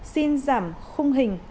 xin giảm khung hình